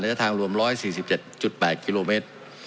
ระยะทางรวม๑๔๗๘กิโลเมตร